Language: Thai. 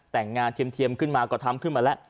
แต่งงานเทียมขึ้นมาก็ทำขึ้นมาแล้ว